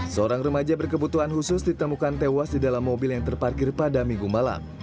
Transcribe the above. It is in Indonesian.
seorang remaja berkebutuhan khusus ditemukan tewas di dalam mobil yang terparkir pada minggu malam